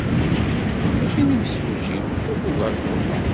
Yuba maci d imsujji. D abugaṭu.